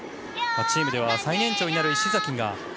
チームでは最年長になる石崎。